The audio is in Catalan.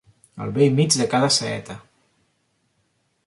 Al bell mig de cada saeta.